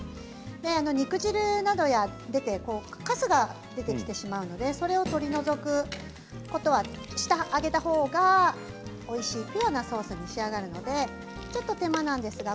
肉汁などが出てかすが出てきてしまうのでそれを取り除くことはしてあげたほうがおいしいソースに仕上がるのでちょっと手間なんですが